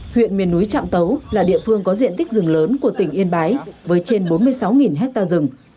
huyện miền núi trạm tấu là địa phương có diện tích rừng lớn của tỉnh yên bái với trên bốn mươi sáu hectare rừng